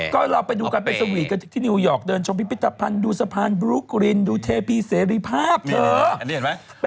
ก็เราไปดูกันไปสวีทกันที่นิวยอร์กเดินชมพิพิธภัณฑ์ดูสะพานบลุกรินดูเทพีเสรีภาพเถอะ